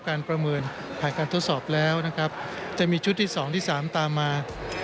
การทดสอบแล้วนะครับจะมีชุดที่สองที่สามตามมา